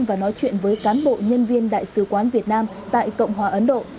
và nói chuyện với cán bộ nhân viên đại sứ quán việt nam tại cộng hòa ấn độ